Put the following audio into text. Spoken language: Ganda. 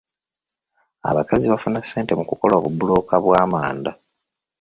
Abakazi bafuna ssente mu kukola obubulooka bw'amanda.